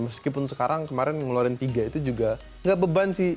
meskipun sekarang kemarin ngeluarin tiga itu juga nggak beban sih